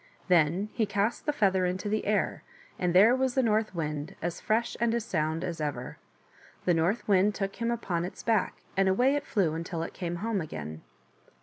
Then he cast the feather into the air, and there was the North Wind, as fresh and as sound as ever. The North Wind took him upon its back, and away it flew until it came home again.